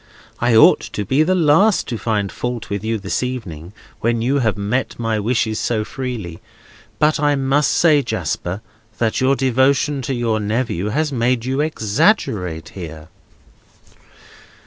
I ought to be the last to find any fault with you this evening, when you have met my wishes so freely; but I must say, Jasper, that your devotion to your nephew has made you exaggerative here."